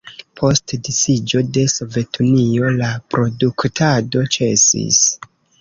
Post disiĝo de Sovetunio, la produktado ĉesis.